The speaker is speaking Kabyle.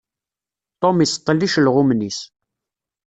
Tom iseṭṭel icelɣumen-is.